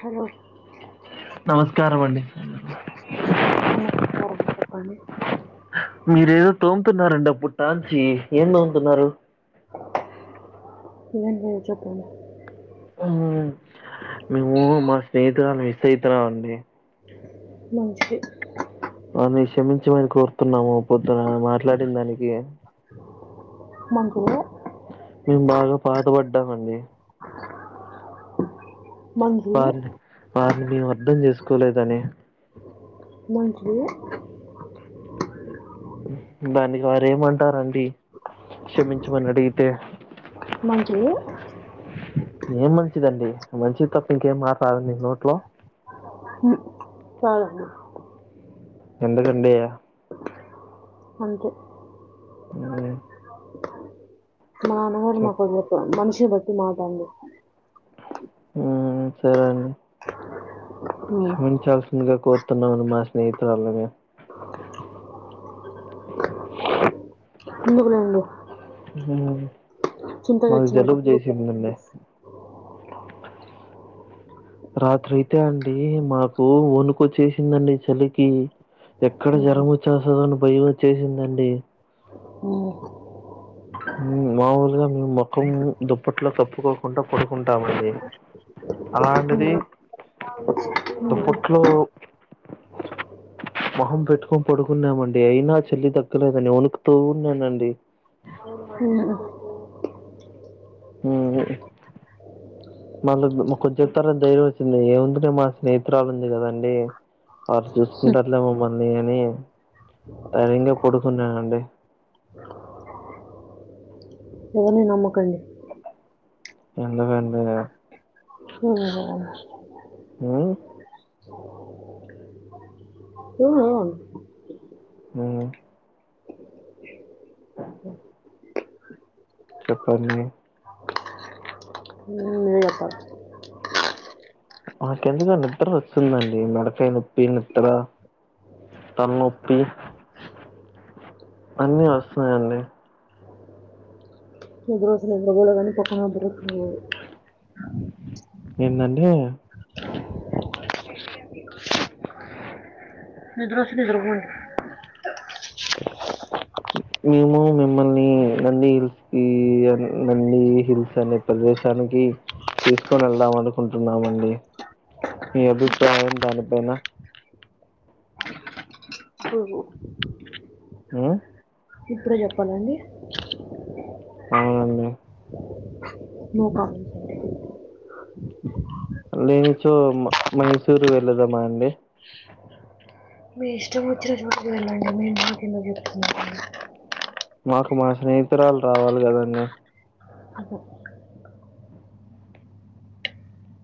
Hello నమస్కారం అండి నమస్కారం చెప్పండి మీర ఏదో తోముతున్నారండి అప్పుడు టాంచి ఏం తోముతున్నారు ఏం లేదు చెప్పండి ఆ మేము మా స్నేహితురాలు మిస్ అయితున్నాం అండి మంచిది అని క్షమించమని కోరుతున్నాము పొద్దున మాట్లాడిన దానికి మాకు మేము బాగా బాధపడ్డామండి మంచి వారిని వారిని మేము అర్థం చేసుకోలేదని మంచిది దానికి వారు ఏమంటారండి క్షమించమని అడిగితే మంచిది ఏం మంచిదండి మంచిది తప్ప ఇంకేం మాట రాదా మీ నోట్లో సాల ఎందుకండి మంచిది హ్మ్, మా అన్నగాడు చెప్ మాకు మనిషి బట్టి మాట్లాడి ఆ సరే అండి మ్, క్షమించాల్సిందిగా కోరుతున్నామని మా స్నేహితురాలూనీ మేము ఎందుకులేండీ ఊ మాకు తెచ్చినాక జలుబు పూలు చేసింది అండి కాదండి రాత్రి అయితే అండి మాకు వనుకొచ్చేసిందండి చలికి ఎక్కడ మ్, జరం వచ్చేస్తుంద అని బై వచ్చేసిందండి ఓహో ఊ మాముూలుగా మేము మొఖం దుప్పట్లో కప్పుకోకుండా పడుకుంటామండి అలాంటిది మ్, మ్, మ్. దప్పట్లో మొహం పెట్టుకొని పడుకున్నామండి అయినా చెల్లి దగ్గలేదని ఉనుకు తూ ఉన్నానండి ఉహు ఇంగ మళ్ళ కొద్ది చెప్తారని ధైర్యం వచ్చింది ఏముందిలే మా స్నేహితురాలు ఉంది కదండి వాళ్ళు చూసుకుంటారులే మమ్మల్ని అని ధైర్యంగా పడుకున్నానండి ఎవర్ని నమకండి ఎందుకండీ ఊహ ఊ ఆవున ఊ చెప్పండి నువ్వే చెప్పలి మాకెందుకు నిద్ర వస్తుందండి మెడకాయ నొప్పి నిద్ర తలనొప్పి అన్నీ వస్తున్నాయండి నిద్ర వస్తే నిద్ర పోవాలి గాని కోపం గా తిరుగుతుంది ఏందండి నిద్రస్తె నిద్రపోండి మేము మిమ్మల్ని నంది హిల్స్ కి నంది హిల్స్ అనే ప్రదేశానికి తీసుకొని వెళ్దాం అనుకుంటున్నామండి మీ అభిప్రాయం దానిపైన బు ఆ ఇప్పుడే చెప్పాలండి అవునండి నో కామెంట్స్ అండి లేనిచో మ మైసూరు వెళ్ళదామా అండి మీ ఇష్టం వచ్చిన చోట్కి వెళ్ళండి మీ మాకు ఎందో చెప్తున్నారు మాకు మా స్నేహితురాలు రావాలి కదండి అబో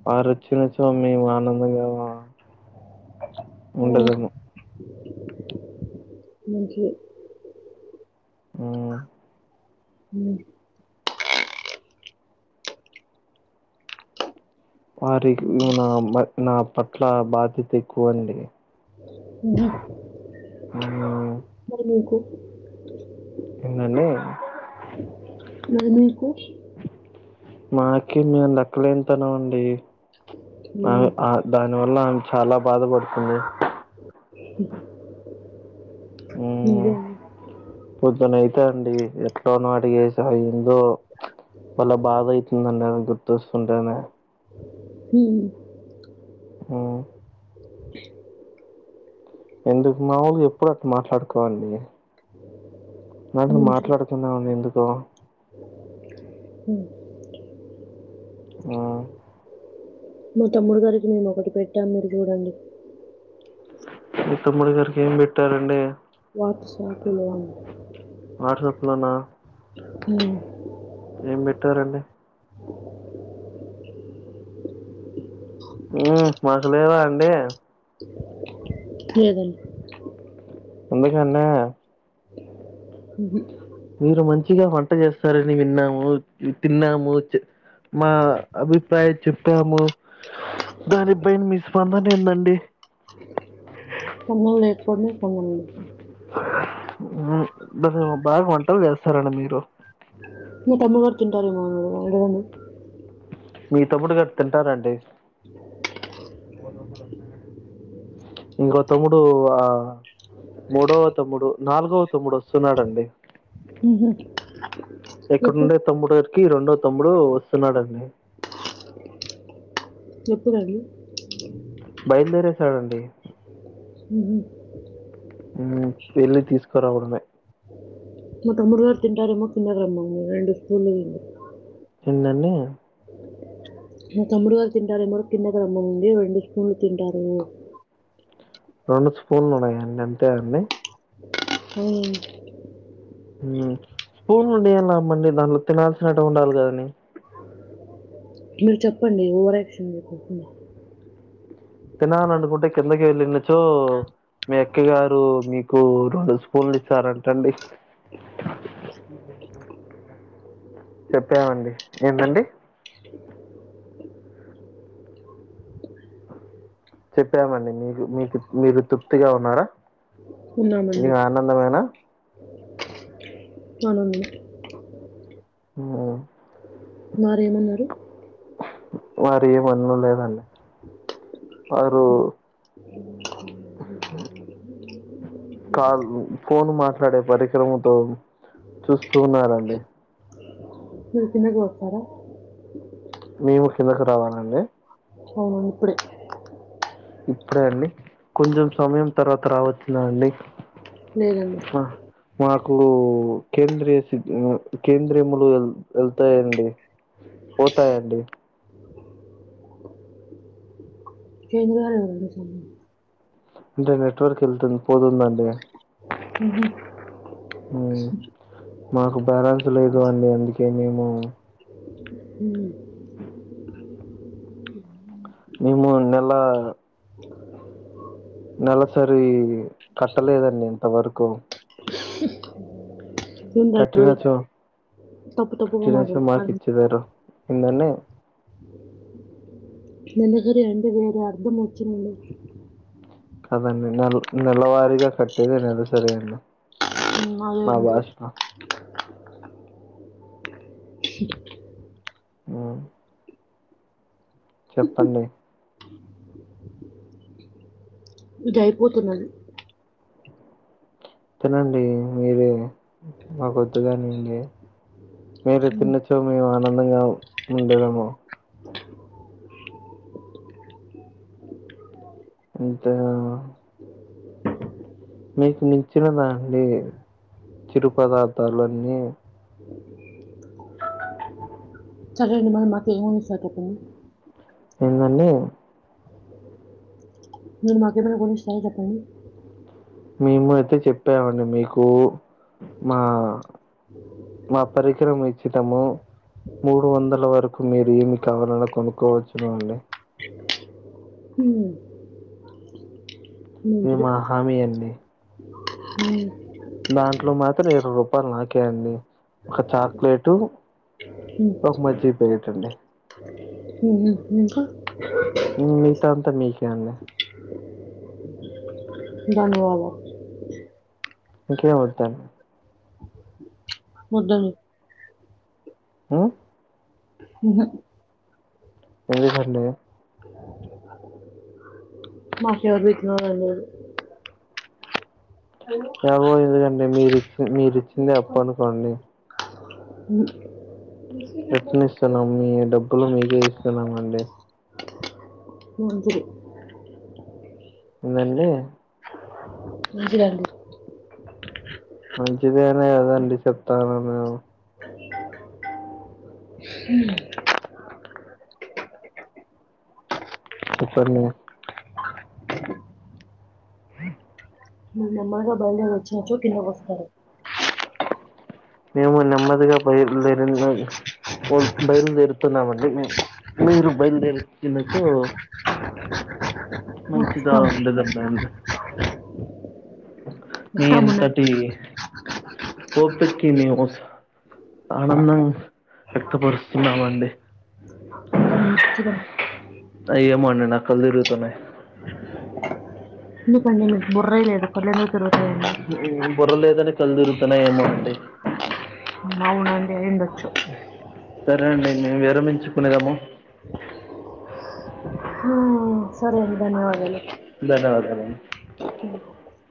వారు వచ్చిన చో మేము ఆనందంగా ఉమ్, ఉండదము మంచి ఊ ఊ వారి నా మ నా పట్ల బాధ్యత ఎక్కువండి ఉమ్. ఉహు మరి మీకు ఏందండి మరి మీకు మాకి మేం లెక్కలేన్ తనమండి అవి ఉమ్, ఆ దాని వల్ల ఆమె చాలా బాధపడుతుంది నిజమే పొద్దున అయితే అండి ఎట్లోనో అడిగేసా ఏందో వల్ల బాధ అయితుందండి గుర్తొస్తుంటేనే హూ ఊ ఎందుకు మాముూలుగా ఎప్పుడు అట్ మాట్లాడుకోవండి నడుమ మంచిది మాట్లాడుతున్నావని ఎందుకో ఉమ్. ఆ మీ తమ్ముడు గారికి మేము ఒకటి పెట్టాం మీరు చూడండి మీ తమ్ముడి గారికి ఏం పెట్టారండి వాట్సాప్లో అండి వాట్సాప్లోనా ఊమ్ ఏం పెట్టారండి ఊమ్ మాకు లేదా అండి లేదండి ఎందుకండి ఊహు మీరు మంచిగా వంట చేస్తారని విన్నాము తిన్నాము మా అభిప్రాయం చెప్పాము దానిపైన మీ స్పందనేందండి కొమ్మలు లేక్కొని కొంగండి ఊమ్ భలే బాగా వంటలు చేస్తారండి మీరు మీ తమ్ముడు గారు తింటారేమో అడగండి మీ తమ్ముడు గారు తింటార అండి ఇంగో తమ్ముడు ఆ మూడవ తమ్ముడు నాలుగవ తమ్ముడు వస్తున్నాడండి ఊహు ఎక్కడుండే తమ్ముడు గారికి రెండో తమ్ముడు వస్తున్నాడండి చెప్పుదను బయలుదేరేసాడండి ఊహు వెళ్ళి తీసుకురావడమే మా తమ్ముడు గారు తింటారేమో తినరేమో అని రెండు స్పూన్లు మిగిలినాయ్ ఏందండి మా తమ్ముడు గారు తింటారేమో కిందకి రమ్మనండి రెండు స్పూన్లు తింటారు రెండు స్పూన్లు ఉన్నాయండి అంతే అండి ఊ ఊ స్పూన్లు ఉండి ఏం లాభం అండి దాంట్లో తినాల్సినేటివి ఉండాలి కదండి మీరు చెప్పండి ఓవర్ యాక్షన్ చేయకోకుండా తినాలనుకుంటే కిందకి ఎళ్ళినచో మీ అక్కయ్య గారు మీకు రెండు స్పూన్లు ఇస్తారంటండి చెప్తామండి ఏంటండీ చెప్పామండి మీకు మీకు మీరు తృప్తిగా ఉన్నారా ఉన్నామండి ఇంకా ఆనందమైన ఆనందం ఉ వారేమన్నారు వారు ఏం అనడం లేదండి వారు [inaudible] ఆ కాళ్లు ఫోన్ మాట్లాడే పరిక్రమతో చూస్తూ ఉన్నారండి ఊరకనే కొడతారా నీవు కిందకి రావాలండి అవును ఇప్పటికే ఇప్పుడే అండి కొంచెం సమయం తర్వాత రావచ్చు లేండి నేనండి మార్కులు కేంద్రీయ సిద్ కేంద్రీములు వెళ్తాయండి పోతాయండి కేంద్ర [unintelligible] అంటే నెట్వర్క్ వెళ్తుంది పోతుందండీ ఉహు ఉ మాకు బ్యాలెన్స్ లేదు అండి అందుకే మేము ఉ [inaudible] మేము నెల నెలసరి కట్టలేదండి ఇంతవరకు [inaudible] కఠిన చో తప్పు తప్పుగా కఠినచ్చో మార్కు మాట్లాడుతున్నారు ఇచ్చేదారు ఏందని [unintelligible] నినకర రెండు వేల వరకు వచ్చిందండి కదండి నెల నెలవారీగా కట్టేది సరిగ్గా అండి అద మా [unintelligible] భాషలో ఉ చెప్పండి ఇది అయిపోతుందండి తినండి మీరే మాకొద్దు గాని ఇ మీరు మ్మ్. తిన్నచో మేము ఆనందంగా ఉండదేమో అంతే ఆ మీకు మించిన దండి చిరు పదార్థాలు అన్ని [inaudible] సరే అండి మరి మాకు ఏమి ఉండిస్తారు చెప్పండి ఏందండి మీరు మాకేదన్న కొనిస్తార చెప్పండి మేము అయితే చెప్పామండి మీకు మా మా పరిక్రమం ఇచ్చుటము మూడు వందల వరకు మీరు ఏమి కావాలన్నా కొనుక్కోవచ్చు అండి ఉ ఇది మా హామీ అండి మ్మ్ దాంట్లో మాత్రం ఇరవై రూపాయలు నాకేయండి ఒక చాక్లెటు మ్మ్ ఒక మజ్జిగ ప్యాకెట్ అండి మ్మ్ హు మ్మ్ హు ఇంగ మిగతాది అంతా మీకే అండి ధన్యవాదాలు ఇంకేం వద్దా వద్దన్ మ్మ్ ఉహ ఎందుకు అట్ల [unintelligible] [unintelligible] అనేది ఎలాగో ఎందుకండి మీరిచ్చి మీరిచ్చింది అప్పు అనుకోండి మ్మ్ రిటన్ ఇస్తున్నాం మీ డబ్బులు మీకే ఇస్తున్నామండి మంచిది ఏందండి మంచిదండి మంచిదే అనే కదండి చెప్తన్నాను మ్మ్ చెప్పండి హ మీరు నెమ్మదిగా బయల్దేరీ వచ్చినప్పుడు కిందకి వస్తారు మేము నెమ్మదిగా బయలు దేరినము [unintelligible] ఓ బయలుదేరుతున్నామండి మీరు బయలుదేరు వచ్చిన చో మంచిగ వస్తాం ఉంటదంట అండి మీ వస్తామునండి అంతటి ఓపిక్కి న్యూస్ ఆనందం వ్యక్తపరుస్తున్నామండి హ్మ్. మంచిదండి అయి ఏమో అండి నాకు కళ్ళు తిరుగుతున్నాయి ఎందుకండి మీకు బుర్రే లేదు తల ఎందుకు తిరుగుతదండీ బుర్ర లేదని కళ్ళు తిరుగుతున్నాయి ఏమో అండి అవును అండి అయిండచ్చు సరే అండి మేము విరమించుకునేదాము ఆ సరే అండి ధన్యవాదాలు ధన్యవాదాలు [inaudible]